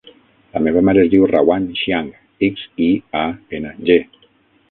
La meva mare es diu Rawan Xiang: ics, i, a, ena, ge.